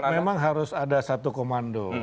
memang harus ada satu komando